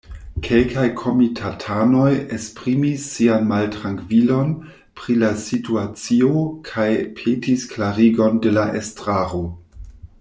Kelkaj komitatanoj esprimis sian maltrankvilon pri la situacio kaj petis klarigon de la estraro.